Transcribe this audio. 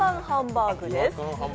ハンバーグです。